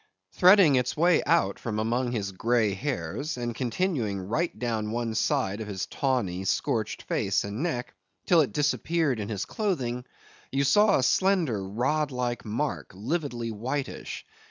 Threading its way out from among his grey hairs, and continuing right down one side of his tawny scorched face and neck, till it disappeared in his clothing, you saw a slender rod like mark, lividly whitish.